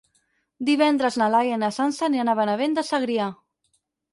Divendres na Laia i na Sança aniran a Benavent de Segrià.